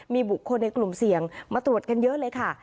มีบุคคลในกลุ่มเสี่ยงมาตรวจกันเยอะเลยค่ะ